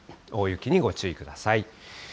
大雪にご注意ください。